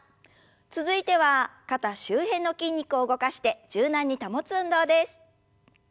続いては肩周辺の筋肉を動かして柔軟に保つ運動です。